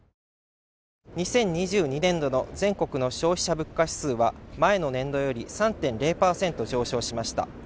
２０２２年度の全国の消費者物価指数は、前の年度より３．０％上昇しました。